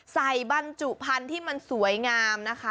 บรรจุพันธุ์ที่มันสวยงามนะคะ